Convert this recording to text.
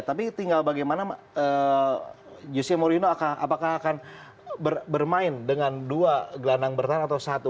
tapi tinggal bagaimana jose mourinho apakah akan bermain dengan dua gelandang bertahan atau satu